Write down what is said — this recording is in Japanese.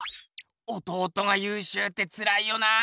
弟がゆうしゅうってつらいよな。